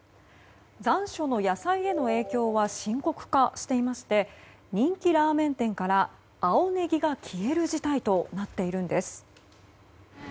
残暑の野菜への影響は深刻化していまして人気ラーメン店から、青ネギが消える事態となっているんです。